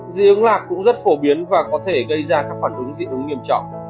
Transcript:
dị ứng lạc cũng rất phổ biến và có thể gây ra các phản ứng dị ứng nghiêm trọng